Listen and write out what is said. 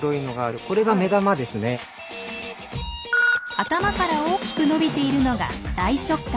頭から大きく伸びているのが大触角。